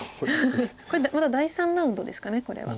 これまた第３ラウンドですかねこれは。